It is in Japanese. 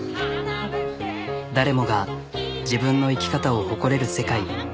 誰もが自分の生き方を誇れる世界。